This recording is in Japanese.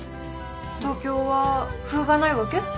東京は麩がないわけ？